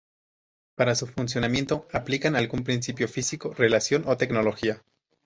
Para su funcionamiento aplican algún principio físico, relación, o tecnología.